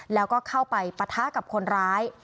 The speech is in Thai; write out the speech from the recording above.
แล้วก็เข้าไปปะทะกับคนร้าย